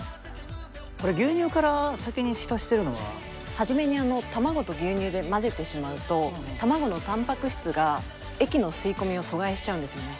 これ牛乳から先に浸してるのは？初めに卵と牛乳で混ぜてしまうと卵のたんぱく質が液の吸い込みを阻害しちゃうんですよね。